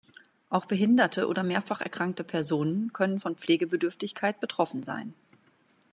Auch Behinderte oder mehrfach erkrankte Personen können von Pflegebedürftigkeit betroffen sein.